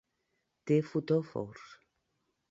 Té fotòfors.